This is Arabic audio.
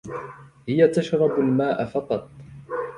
هي تشرب الماء فقط.